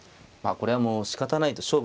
まあこれはもうしかたないと。